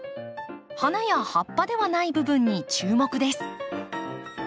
花や葉っぱではない部分に注目です。